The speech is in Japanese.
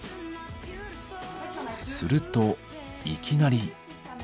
するといきなり。